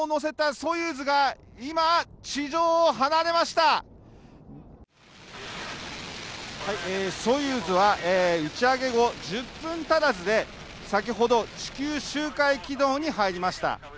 ソユーズは打ち上げ後１０分足らずで、先ほど地球周回軌道に入りました。